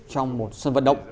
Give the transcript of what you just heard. trong một sân vận động